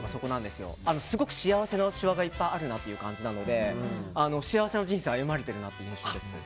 すごく幸せのしわがいっぱいあるなという感じなので幸せな人生を歩まれているなという印象です。